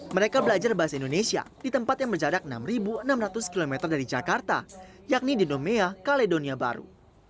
mereka belajar bahasa indonesia di tempat yang berjarak enam enam ratus km dari jakarta yakni di nomea kaledonia baru